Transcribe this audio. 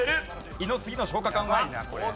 胃の次の消化管は。